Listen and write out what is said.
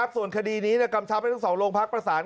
ส่วนคดีนี้กำชับให้ทั้งสองโรงพักประสาน